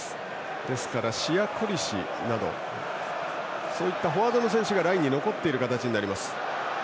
ですから、シヤ・コリシなどフォワードの選手がラインに残っている形になります。